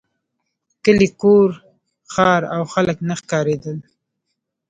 کلی کور ښار او خلک نه ښکارېدل.